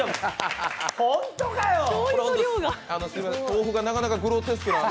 豆腐がなかなかグロテスクな。